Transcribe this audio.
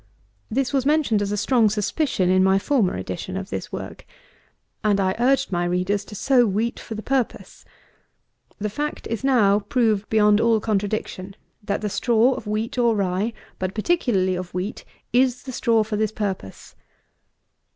This was mentioned as a strong suspicion in my former edition of this work. And I urged my readers to sow wheat for the purpose. The fact is now proved beyond all contradiction, that the straw of wheat or rye, but particularly of wheat, is the straw for this purpose.